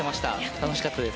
楽しかったです。